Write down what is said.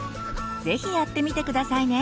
是非やってみて下さいね。